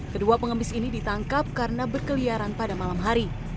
kedua pengemis ini ditangkap karena berkeliaran pada malam hari